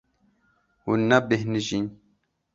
Hûn nebêhnijîn.